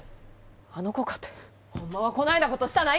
あの子かてホンマはこないなことしたないんです！